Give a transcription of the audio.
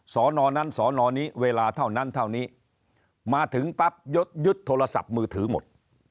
สอนอนั้นสอนอนี้เวลาเท่านั้นเท่านี้มาถึงปั๊บยดยึดโทรศัพท์มือถือหมด